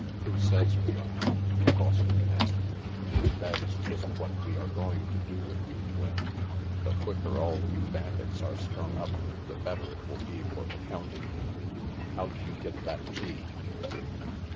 " Who says we are not? " Foster demanded. " That is just what we are going to do with you, Flynn. The quicker all you bandits are strung up, the better it will be for the county. How'd you get that key?